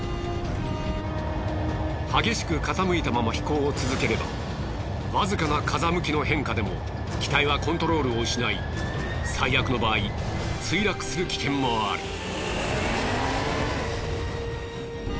激しく傾いたまま飛行を続ければわずかな風向きの変化でも機体はコントロールを失い最悪の場合墜落する危険もある。